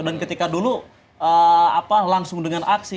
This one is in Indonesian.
dan ketika dulu langsung dengan aksi